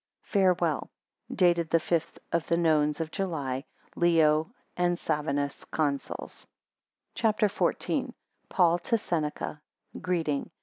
5 Farewell. Dated the fifth of the nones of July, Leo and Savinus Consuls. CHAPTER XIV. PAUL to SENECA Greeting.